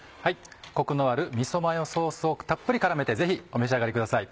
コクのあるみそマヨソースをたっぷり絡めてぜひお召し上がりください。